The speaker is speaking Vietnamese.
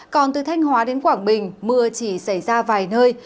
còn từ thanh hóa đến quảng bình mưa chỉ xảy ra vài nơi